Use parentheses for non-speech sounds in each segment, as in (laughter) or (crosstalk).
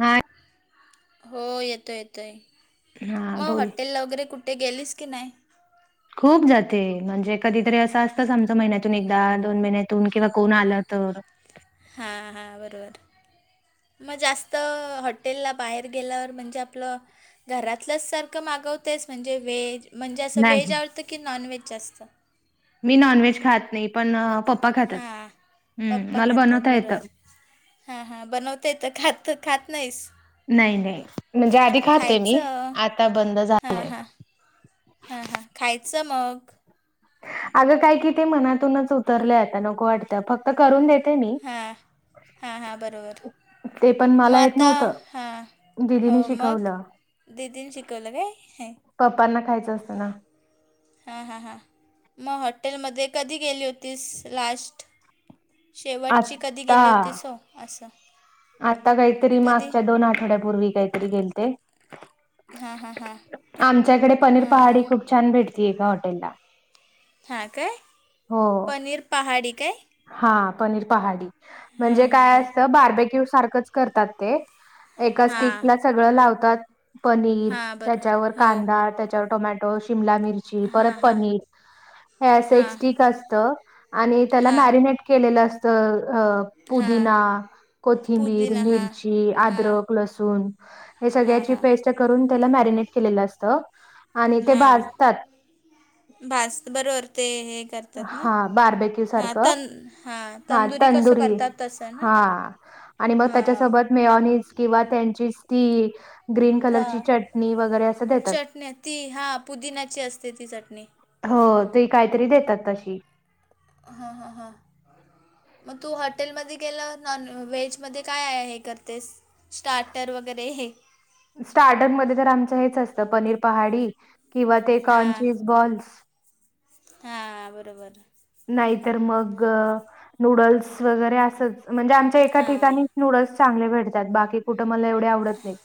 हा हो येतो येतोय. हा मग बोल हॉटेल ला वगैरे कुठं कुठे गेलीस की नाही? खूप जाते. म्हणजे कधीतरी असं असतंच आमचं महिन्यातून एकदा, दोन महिन्यातून, किंवा कोण आलं तर हा हा बरोबर. मग जास्त हॉटेलला बाहेर गेल्यावर म्हणजे आपलं घरातल्याच सारखं मागवतेस? म्हणजे व्हेज? म्हणजे असं व्हेज नाही आवडतं की नॉन व्हेज जास्त? मी नॉनव्हेज खात नाही, पण पप्पा खातात. हां हम्म, मला बनवता येतं. हा हा बनवता येत, खात-खात नाहीस? नाही नाही. म्हणजे आधी खाते मी. खायचं आता बंद झालंय. हा हां. खायचं मग. अगं काय कि ते मनातूनच उतरले आता. नको वाटतं. फक्त करून देते मी. हां हां हां बरोबर. ते पण म मला येत आता? नव्हतं हां, हो दिदीने मग? शिकवलं दिदी ने शिकवलं काय? ह पप्पांना खायचं असतं ना हां हां हां मग हॉटेलमध्ये कधी गेली होतीस लास्ट? शेवटची कधी आता गेली होती हो, असं. आता काहीतरी कधी मागच्या दोन आठवड्यापूर्वी काहीतरी गेलते हां हां हां आमच्याकडे पनीर पहाडी हां खूप छान भेटती एका हॉटेलला. हा काय, हो पनीर पहाडी काय हा पनीर पहाडी म्हणजे काय असतं बार्बेक्यू सारखंच करतात ते एका हां स्टिकला सगळं लावतात पनीर हां त्याच्यावर बरोबर हो कांदा त्याच्यावर टोमॅ टो, शिमला मिर मिरची परत हां हां पनीर हे असे एक हां स्टिक असतं आणि हां त्यालाना (unintelligible) केलेल अस त अह हां पुदीना, कोथिंबीर, पुदिना हां मिरची, हां आद्रक, लसूण हे हां सगळ्याची हां पेस्ट करून त्याला मॅरिनेट केलेलं असत आणि ते भाजतात भाज बरोबर ते हे करतात ना, हा बार्बेक्यू हा तं सारखं तंदुरी कसं करतात तसं ना हा आणि मग हां त्याच्यासोबत मेओनीज किंवा त्यांची ती ग्रीन कलरची हां चटणी वगैरे असं देतात चटण्या ती हां पुदिन्याची असते ती चटणी. हो ती काहीतरी देतात तशी हा हां हां. मग तू हॉटेलमध्ये गेल्यावर नॉन व्हेजमध्ये काय हे करतेस? स्टार्टर वगैरे स्टार्टरमध्ये तर आमचं हेच असतं पनीर पहाडी किंवा ते कॉर्नचीज बॉल्स हा बरोबर. नाहीतर मग नूडल्स वगैरे असच म्हणजे आमच्या एका हां ठिकाणीच नूडल्स चांगले भेटतात बाकी कुठ मला एवढे आवडत नाहीत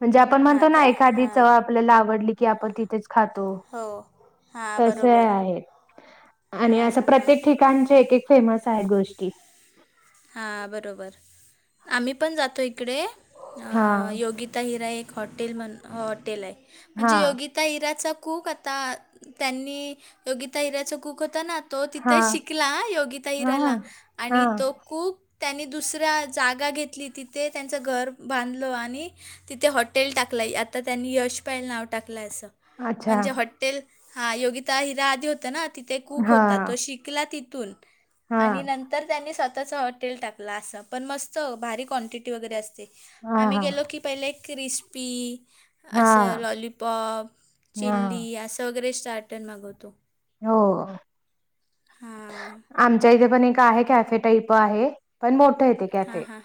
म्हणजे आपण हां म्हणतो ना काय एखादी हां चव आप ल्याला आवडली की आपण तिथेच खातो. हो हां तस बरोबर आहेत आणि हां हां हां प्रत्येक ठिकाणचे एक एक फेमस आहेत गोष्टी हा हा बरोबर. आम्ही पण जातो इकडे हा अ योगिता हिरा एक हॉटेल म्हण हॉटेल आहे हा म्हणजे योगी ता हिराचा कूक आता त्यांनी योगिता हिऱ्याचा कूक होता ना तो हा तिथे शिकला योगिता हा हा हिराला हा आणि तो कूक त्यांनी दुसऱ्या जागा घेतली तिथे त्यांचं घर बांधलं आणि तिथे हॉटेल टाकलय आता त्यांनी यश पॅल नाव टाकलंय असं अच्छा म्हणजे हॉट्टेल, हा योगिता हिरा आधी होत ना तिथे एक कूक हा होता, तो शिकला तिथून हा आणि नंतर त्यानें स्व ताच हॉटेल टाकल असं पण मस्त भारी क्वांटिटी वगैरे असते. हा आम्ही हा गेलो की पहिले एक क्रिस्पी असं हा लॉलीपॉप, हा चिली असं वगैरे स्टार्टर मागवतो. हो. हा. आमच्या इथे पण एक आहे कॅफे टाईप आहे पण मोठ आहे. ते हा कॅफे हां.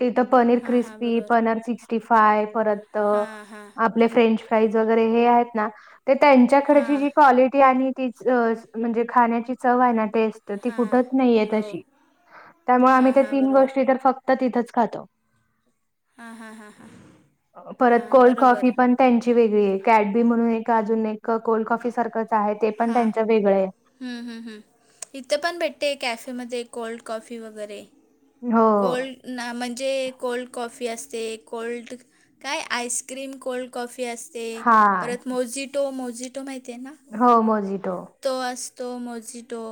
तिथं पनीर हां हां क्रिस्पी, बरोबर पनर सिक्स्टी फाय परत हां हां आपले फ्रेंच फ्राईज वगैरे हे आहेत ना, तर त्यांच्याकडची हां जी क्वालिटी आणि तीच म्हणजे खाण्याची चव आहे ना, टेस्ट ती हां कुठच नाहीयत हो अशी. त्यामुळे हां आम्ही त्या हां तीन बरोबर गोष्टी फक्त फक्त तिथंच खातो. हां हां हां हां (inaudible) परत हां कोल्ड बरोबर कॉफी पण त्यांची वेगळी आहे. कॅडबी म्हणून एक अजून एक, कोल्ड कॉफी सारखंच आहे, ते पण त्यांचं वेगळं आहे. हम् हम् हम्. इथं पण भेटते कॅफेमध्ये कोल्ड कॉफी वगैरे. हो कोल्ड ना, म्हणजे कोल्ड कॉफी असते. कोल्ड काय आईस्क्रीम कोल्ड कॉफी असते. हा परत मोजिटो, मोजिटो माहिती आहे ना? हो मोजीटो. तो असतो मोजिटो.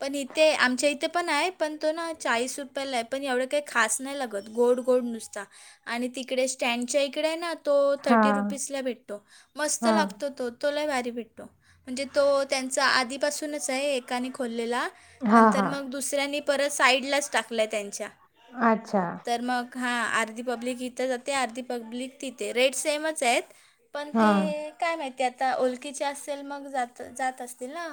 पण इथे आमच्या इथे इथं पण आहे, पण तो ना चाळीस रूपये पला आहे. पण एवढं काही खास नाही लागत. गोड गोड नुसता आणि तिकडे स्टँडच्या इकडे आहे ना तो हा थर्टी रुपीजला भेटतो. मस्त हा लागतो तो. तो लय भारी भेटतो. म्हणजे तो त्यांचा आधीपासूनच आहे एकाने खोललेला हा नंतर हा मग दुसऱ्यांनी परत साईडलाच टाकलंय त्यांच्या. अच्छा. तर मग हा अर्धी पब्लिक इथं जाते. अर्धी पब्लिक तिथे. रेट सेमच आहेत पण हा ते काय माहिती आता, ओलकीचे असेल मग जात जात असतील ना.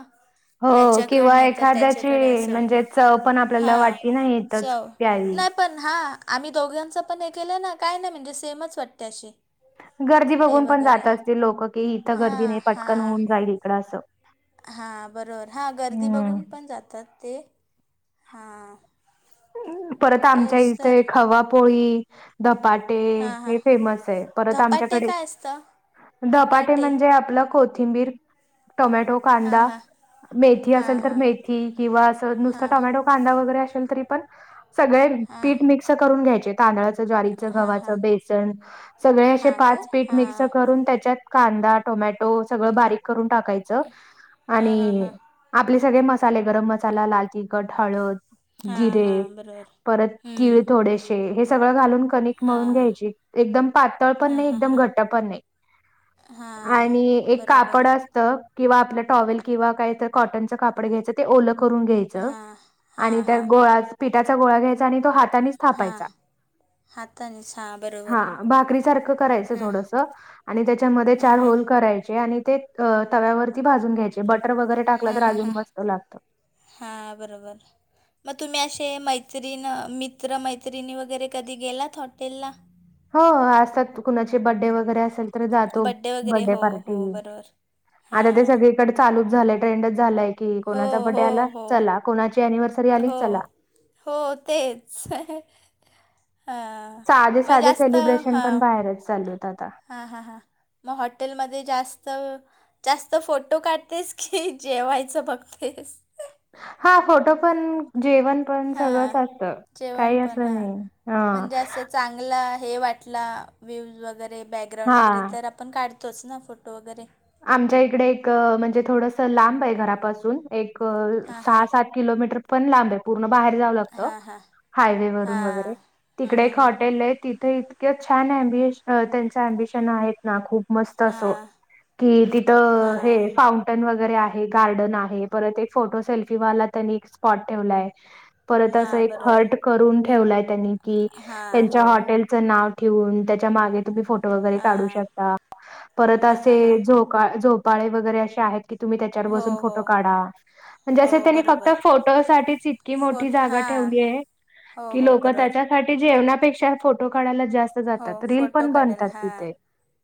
हो ह्याच्याकडे किंवा नाही तर एखाद्याची त्याच्याकडे असा. म्हणजे चव पण आपल्याला हा वाटली ना इथंच चव (inaudible) प्यावी नाही पण हा. आम्ही दोघांच पण हे केलं ना, काय नाही म्हणजे सेमच वाटते अशी. गर्दी हे बघून पण वगैरे जात असतील लोक की, इथं गर्दीने हां पटकन होऊन जाईल इकडं असं. हा बरोबर, हा गर्दी हम्म बघून पण जातात ते, (inaudible) हा. परत आमच्या इथे खवापोळी, धपा हां हां टे फेमस आहे. परत धपाटे आमच्याकडे काय असतं (inaudible) धपाटे म्हणजे आपलं कोथ कोथिंबीर टोमॅटो, हां कांदा, हां मेथी, हां असेल तर हां मेथी किंवा अस नुसत हां टोमॅटो कांदा वगैरे असेल तरी पण, सगळे पीठ मिक्स करून घ्यायचे तांदळाचे ज्वारीचं, हां गव्हाच, हां बेसन. सगळे असे हां काय पाच पीठ मिक्स हां करून त्याच्यात कांदा, टोमॅटो सगळं बारीक करून टाकायचं. हां हां आणि हां आपले सगळे मसाले गरम मसाला, लाल तिखट, हळद हां हां जिरे, बरोबर परत तीळ थोडेसे. हे सगळं घालून कणीक मळून हां घ्यायची. एकदम पातळ पण हां नाही, हां एकदम हां घट्ट पण नाही. हां आणि एक बरोबर कापड अस त. किंवा आपलं टॉवेल किंवा काहीतर कॉटनचं कापड घ्यायचं ते ओल करून घ्यायचं. हां हां आणि त्या हां गोळा पिठाचा गोळा घ्यायचा, आणि तो हात नेच हां थापायचा. हातानेच हां (inaudible) बरोबर हा भाकरी सारखं करायचं हां थोड स. आणि त्याच्यामध्ये हां चार हां होल करायचे, आणि ते तव्यावरती भाजून घ्यायचं. बटर वगैरे टाकलं तर अजून मस्त लागत. हा बरोबर. मग तुम्ही असे मैत्रिण, मित्र, मैत्रिणी, वगैरे कधी गेलात हॉटेला? हो असतात कुणाचे बड्डे वगैर बड्डे असेल तर जातो, वगैरे बड्डे हो हो पार्टी. बरोबर आत्ता ते हां सगळे कडे चालूच झालंय ट्रेंडच झालंय की, हो कोणाचा बडे हो आला हो चला, कोणाची अनिव्हर्सरी आली हो चला. हो तेच. हं हं साधे साधे जास्त सेलिब्रेशन पण हां बाहेरच चालू होतं आता. हां हां हां मग हॉटेलमध्ये जास्त जास्त फोटो काढतेस की जेवायचं बघतेस? हा फोटो पण जेवण पण हां सगळंच असत काही जेवण अस पण हां नाही हे हा. म्हणजे असं चांगला हे वाटला व्ह्यूवज वगैरे बॅकग्राउंड वगैरे हा तर आप पण काढतोच ना फोटो वगैरे. आमच्या इकडे एक म्हणजे थोडस लांब आहे घरापासून एक हां हां सहा सात किलोमीटर पण लांब आहे पूरण बाहेर जाव लाग हां हां हाय वरुन वगैरे हां हं तिकडे हं हं हॉटेल तिथ किं छान अमब त्यांच अम्बिशन आहेत ना खूप मस्त असो हां कि तिथं हे हां फाउं गन वगैरे आहे गार्डन आहे परत एक फोटो सेल्फी वाला त्यांनी एक स्पॉट ठेवलाय. परत अस हां एक बरोबर हट करून ठेवलाय त्यांनी कि हां त्यांच्या हो हॉटेल नाव ठेवून त्याच्या माग तुम्ही फोटो वगैरे काढू हां शकता परत हां असे हां हां झोका झोपाळे वगैरे असे आहेत की तुम्ही त्याच्यावर हो बसून हो फोटो काढा. जसं हो त्यांनी फक्त बरोबर फोटो साठीच इतकी मोठी फोट जागा हां ठेवली आहे. हो हो बरोबर ट जेवणापेक्षा फोटो काढायला जास्त जातात रील पण बनतात तिथे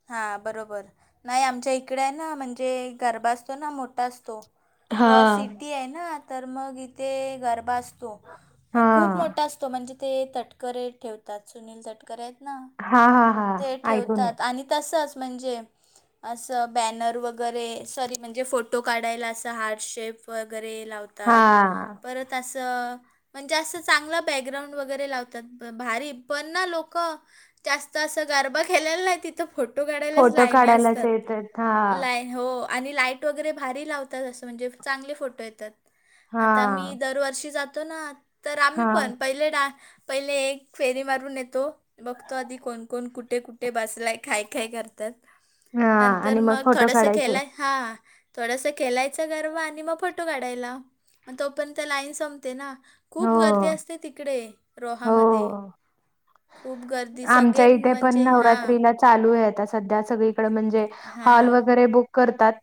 हा बरोबर नाही आमच्या इकडे आहे ना म्हणजे गरबा असतो ना मोठा असतो. हा रॉ सिटी आहे ना तर मग इथे गरबा असतो खूप हा मोठा असतो. तो म्हणजे ते तटकरे ठेवतात सुनील तटकरे आहेत ना हा हा ते ऐकून आहे ठेवतात आणि तसंच म्हणजे असं बॅनर वगैरे सॉरी म्हणजे फोटो काढायला असं हार्डशेप वगैरे लावत. हा तात परत असं म्हणजे असं चांगलं बॅकग्राउंड वगैरे लावतात भारी पणना लोक जात असं गरबा केेलेला नाही तिथं फोटो काढायलाच फोटो लाईनी काढायलाच असतात येतात हा ला हो आणि लाईट वगैरे भारी लावतात असं म्हणजे चांगले फोटो येतात. हा आता मी दरवर्षी जातो ना तर आम्ही हा पण पहिले डान पहिले एक फेरी मारून येतो बघतो आधी कोण कोण कुठे कुठे बसलाय खय खाय करतात. हा आणि नंतर मग फोटो थोडस काढायचे खेलाय हा थोडस खेलायचं गर्व आणि मग फोटो काढायला मग तो पण तर लाईन संपते ना हो खूप गर्दी असते तिकडे हो रोहामध्ये खूप गर्दी सगळे ते पण म्हणजे हां नवरात्रीला चालू आहे सध्या सगळीकडे म्हणजे हां हॉल हां वगैरे बुक करतात.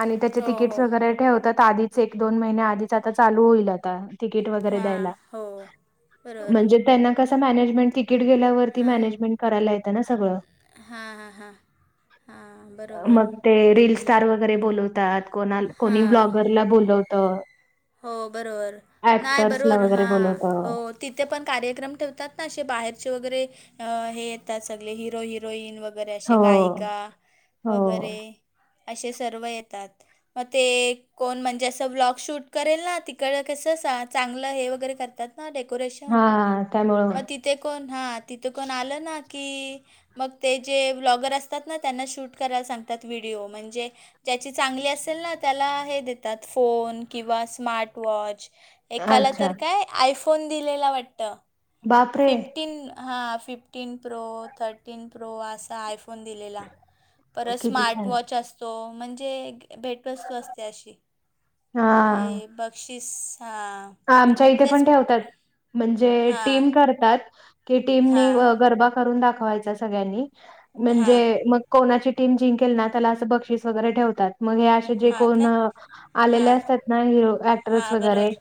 आणि त्याचे हो तिकीट्स हो वगैरे ठेवतात आधीच एक दोन महिने आधीच आता चालू होईल आता ट वैगरे हां द्यायला हो बरोबर म्हणजे त्यां हाय ना कसं मॅनेजमेंट तिकीट गेल्यावरती हां मॅनेजमेंट करायला येतं ना सगळं हां हां हां हां बरोबर मग ते रील स्टार वगैरे बोलवतात कोणा कोणी हां ब्लॉगरला बोलवत. हो बरोबर नाही ला बरोबर हा वगैरे बोलवत हो तिथे पण कार्यक्रम ठेवतात ना असे बाहेरचे वगैरे अ हे येतात सगळे हिरो हिरोईन वगैर वगैरे असे हो गायिका हो वगैरे असे सर्व येतात मग ते कोण म्हणजे असं ब्लॉग शूट करेल ना. तिकडं कसं चांगलं हे वगैरे करतात ना हा डेकोरेशन त्यामुळं मग तिथे कोण हा तिथे कोण आलं ना की, मग ते जे ब्लॉगर असतात ना त्यांना शूट करायला सांगतात व्हिडिओ. म्हणजे, ज्याची चांगली असेल ना त्याला हे देतात फोन. किंवा स्मार्टवॉच. एकाला अच्छा तर काय आयफोन दिलेला वाटत. बापरे फिफ्टीन हा फिफ्टीन प्रो थर्टीन प्रो असा आयफोन. फोन दिलेला. परत किती स्मार्ट छान वॉच असतो. म्हणजे भेटवस्तू असते अशी. हे बक्षीस हा. ह आमच्या इथे पण ठेवतात. म्हणजे हां टीम करतात की टीमनी हां गरबा करून दाखवायच सगळ्यांनी, हां म्हणजे मग, कोणाची टीम जिंकेल ना त्याला असं बक्षीस वगैरे ठेवतात. मग हे असे जे हां कोण काय आलेले हां असतात ना हिरो ऍक्टरस हां वगैरे. बरोबर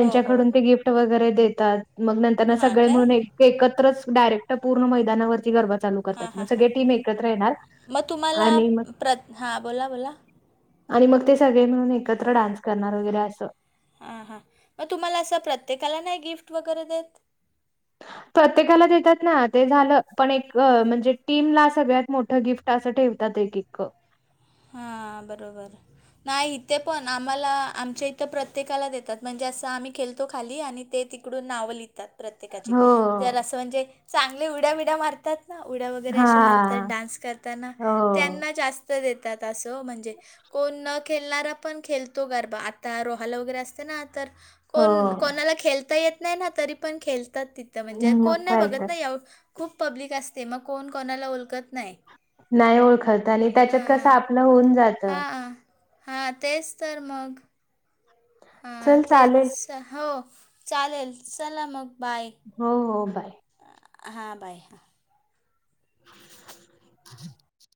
हो हो ते गिफ्ट वगैरे देतात मग नंतर हां सगळे काय मिळून एक एकत्रच डायरेक्ट पूर्ण मैदानावरती गरबा चालू करतात. हां मग हां हां सगळे टीम एकत्र येणार मग तुम्हाला आणि म प्रत हां बोला बोला आणि मग ते सगळे मिळून एकत्र डान्स करणार वगैरे असं. हा हा मग तुम्हाला असं प्रत्येकाला नाही गिफ्ट वगैरे देत? प्रत्येकाला देतात ना. ते झालं. पण एक म्हणजे टीमला सगळ्यात मोठं गिफ्ट. असं ठेवतात. एक एक हा. बरोबर. नाही इथे पण आम्हाला आमच्या इथं प्रत्येकाला देतात. म्हणजे असं आम्ही खेळतो खाली आणि ते तीकडून नावं लिहितात प्रत्येकाची. हो जर असं म्हणजे चांगले ऊड्या बीड्या मारतात. ना उड्या वगैरे हा असे मारतात. डान्स करतना. हो त्यांना जास्त देतात असं म्हणजे, कोण न खेळणारा पण खेळतो गरबा. आता रोहाला वगैरे असते ना तर हो कोण कोणाला खेळता येत नाही ना तरी पण खेळतात तिथं म्हणजे कोण मग नाही काय बघत तर ना एव खूप पब्लिक असते मग. कोण कोणाला ओळखत नाही. नाही ओळखत आणि त्याच्यात कसं हां आपलं होऊन जात. हां हा तेच तर मग. ह चल तेच चालेल हो. चालेल चला मग बाय. हो हो बाय. हां बाय हा. (inaudible)